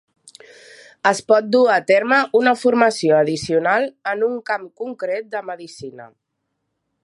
Es pot dur a terme una formació addicional en un camp concret de medicina.